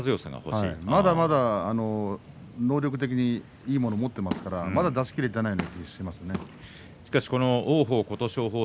まだまだ能力的にいいものを持っていますからまだ出しきれていないような気がしますね。